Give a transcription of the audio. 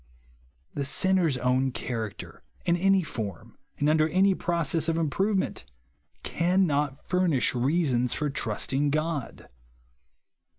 The sinner's own character, in any form, and under any process of improvement, cannot furnish reasons for trusting God.